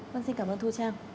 vâng xin cảm ơn thu trang